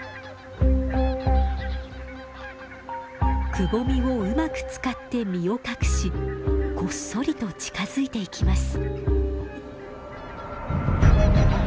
くぼみをうまく使って身を隠しこっそりと近づいていきます。